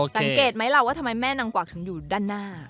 สังเกตไหมล่ะว่าทำไมแม่นางกวักถึงอยู่ด้านหน้า